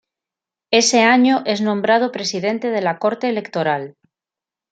Ese año es nombrado presidente de la Corte Electoral.